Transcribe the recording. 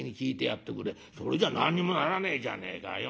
「それじゃ何にもならねえじゃねえかよ。